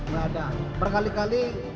tidak ada perkali kali